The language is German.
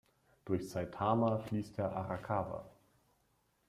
Durch Saitama fließt der Arakawa.